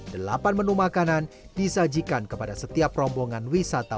delapan menu makanan disajikan kepada setiap rombongan wisata